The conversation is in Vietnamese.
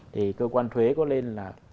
thì cơ quan thuế có nên là